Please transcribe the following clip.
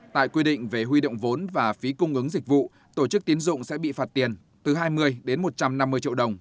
tại quy định về huy động vốn và phí cung ứng dịch vụ tổ chức tiến dụng sẽ bị phạt tiền từ hai mươi đến một trăm năm mươi triệu đồng